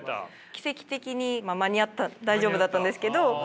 奇跡的に間に合った大丈夫だったんですけど。